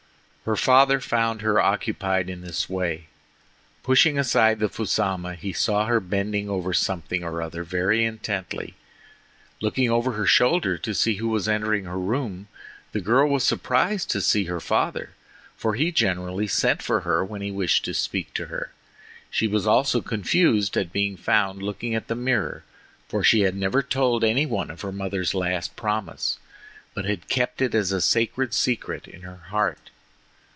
Her father found her occupied in this way. Pushing aside the fusama, he saw her bending over something or other very intently. Looking over her shoulder, to see who was entering her room, the girl was surprised to see her father, for he generally sent for her when he wished to speak to her. She was also confused at being found looking at the mirror, for she had never told any one of her mother's last promise, but had kept it as the sacred secret of her heart.